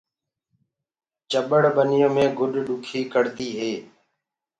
چٻڙ ٻنيو مي گُڏ ڏُکي ڪڙدي هي۔